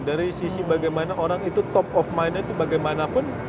dari sisi bagaimana orang itu top of mind nya itu bagaimanapun